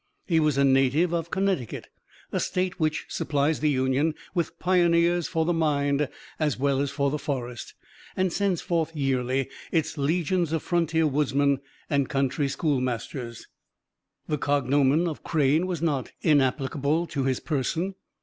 He was a native of Connecticut, a State which supplies the Union with pioneers for the mind as well as for the forest, and sends forth yearly its legions of frontier woodmen and country schoolmasters. The cognomen of Crane was not inapplicable to his person.